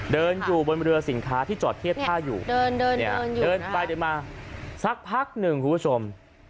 เดินอยู่บนเรือสินค้าที่จอดเทียบท่าอยู่เดินเดินไปเดินมาสักพักหนึ่งคุณผู้ชม